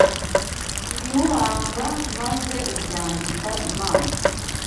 ibiwuranga maze ubyambika Imana